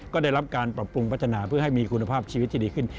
ก็ได้รับการปรับปรุงพัฒนาเพื่อให้มีคุณภาพชีวิตที่ดีขึ้น